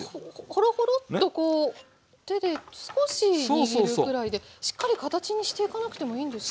ホロホロッとこう手で少し握るくらいでしっかり形にしていかなくてもいいんですね。